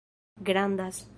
grandas